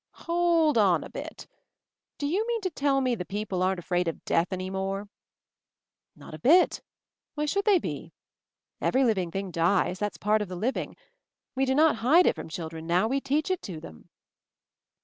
"Hold on a bit. Do you mean to tell me the people aren't afraid of death any more?" "Not a bit. Why should they be? Every living thing dies; that's part of the living. We do not hide it from children now, we teach it to them."